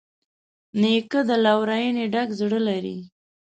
نیکه د لورینې ډک زړه لري.